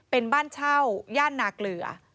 เป็นบ้านเช่าย่านนาเกลือ